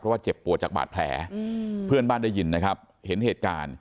ว่าเจ็บปวดจากบาดแผลเพื่อนบ้านได้ยินนะครับเห็นเหตุการณ์